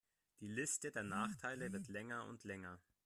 Die Liste der Nachteile wird länger und länger.